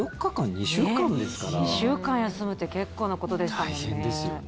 ２週間休むって結構なことですからね。